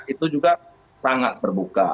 itu juga sangat terbuka